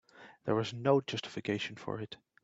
There was no justification for it.